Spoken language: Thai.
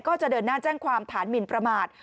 ก็จะเดินหน้าแจ้งความฐานหมินประมาท